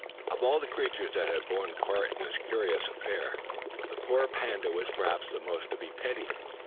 Of all the creatures that had borne part in this curious affray, the poor panda was perhaps the most to be pitied.